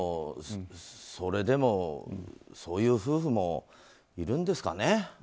それでもそういう夫婦もいるんですかね。